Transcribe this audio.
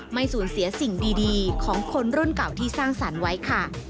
ไม่สูญเสียสิ่งดีของคนรุ่นเก่าที่สร้างสรรค์ไว้ค่ะ